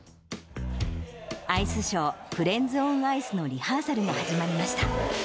アイスショー、フレンズオンアイスのリハーサルが始まりました。